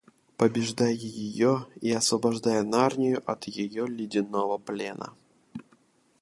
побеждая ее и освобождая Нарнию от ее ледяного плена.